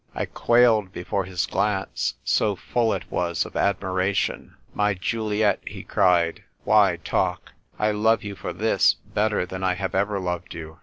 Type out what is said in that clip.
I quailed before his glance, so full it was of admiration. " My Juliet !" he cried. " Why talk ? I love you for tJiis better than I have ever loved you !